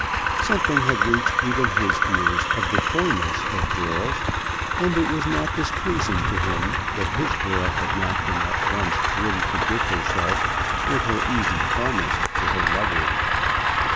Something had reached even his ears of the coyness of girls, and it was not displeasing to him that his girl had not been at once ready to give herself with her easy promise to her lover.